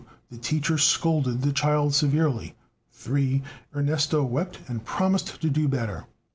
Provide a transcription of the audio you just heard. The teacher scolded the child severely; 3. Ernesto wept and promised to do better.